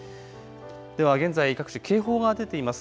では現在各地、警報が出ています。